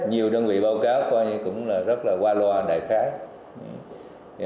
nhiều đơn vị báo cáo coi như cũng rất là qua loa đại khái